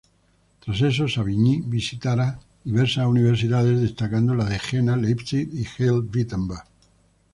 Tras esto, Savigny visitará diversas universidades, destacando la de Jena, Leipzig y Halle-Wittenberg.